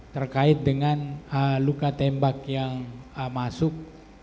terkait dengan luka tembak yang masuk